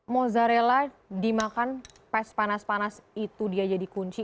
mozzarella dimakan pas panas panas itu dia jadi kunci